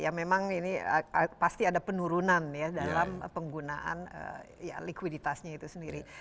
ya memang ini pasti ada penurunan ya dalam penggunaan likuiditasnya itu sendiri